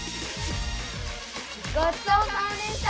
ごちそうさまでした！